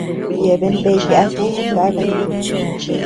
Yeabean bea yachi chi kakay.